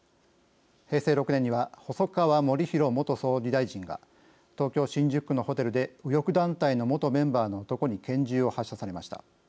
平成６年には細川護煕元総理大臣が東京・新宿区のホテルで右翼団体の元メンバーの男に拳銃を発射されました。